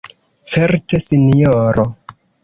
Certe, Sinjoro!